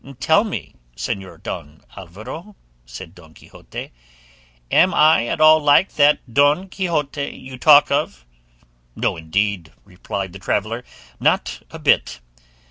"Tell me, Señor Don Alvaro," said Don Quixote, "am I at all like that Don Quixote you talk of?" "No indeed," replied the traveller, "not a bit."